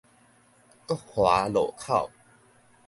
國華路口